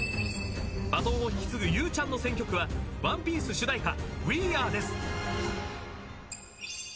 バトンを引き継ぐゆうちゃんの選曲は『ＯＮＥＰＩＥＣＥ』主題歌。